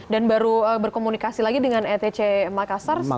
dan baru berkomunikasi lagi dengan etc makassar setelah